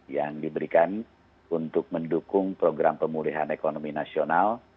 yang diberikan untuk mendukung program pemulihan ekonomi nasional